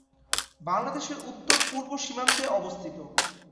বাংলাদেশের উত্তর-পূ্র্ব সীমান্তে অবস্থিত।